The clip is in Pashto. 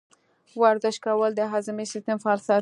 ورزش کول د هاضمې سیستم فعال ساتي.